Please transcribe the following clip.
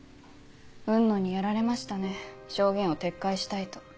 雲野にやられましたね証言を撤回したいと。